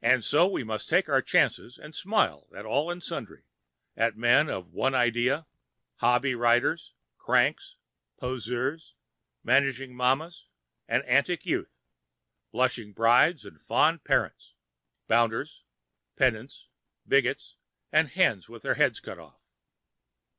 So we must take our chances and smile at all and sundry, at men of one idea, hobby riders, cranks, poseurs, managing mammas and antic youths, blushing brides and fond parents, bounders, pedants, bigots and hens with their heads cut off.